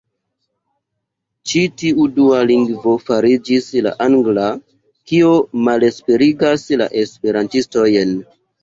Ĉi tiu dua lingvo fariĝis la angla, kio malesperigas la esperantistojn.